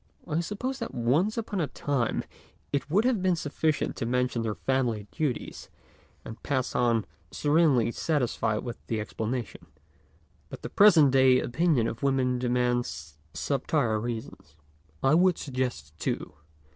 I suppose that once upon a time it would have been sufficient to mention WHY WOMEN FAIL IN ART 127 their family duties, and pass on serenely satisfied with the explanation ; but the present day opinion of women demands sub tler reasons. I would suggest two.